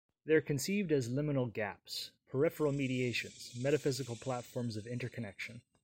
They're conceived as liminal gaps: peripheral mediations, metaphysical platforms of interconnection.